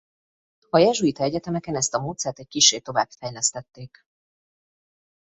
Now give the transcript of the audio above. A jezsuita egyetemeken ezt a módszert egy kissé továbbfejlesztették.